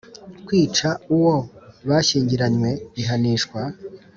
Kwica uwo bashyingiranywe bihanishwa